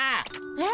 え？